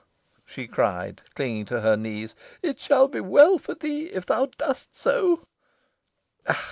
she cried, clinging to her knees; "it shall be well for thee if thou dost so."